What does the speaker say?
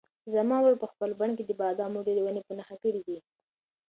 زما ورور په خپل بڼ کې د بادامو ډېرې ونې په نښه کړې دي.